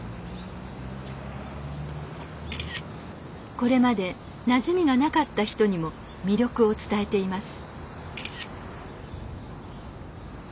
これまでなじみがなかった人にも魅力を伝えています。